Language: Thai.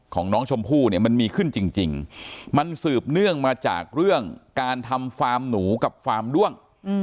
ของน้องชมพู่เนี่ยมันมีขึ้นจริงมันสืบเนื่องมาจากเรื่องการทำฟาร์มหนูกับฟาร์มด้วง